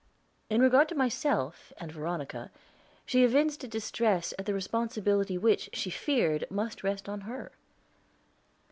In regard to myself, and Veronica, she evinced a distress at the responsibility which, she feared, must rest upon her.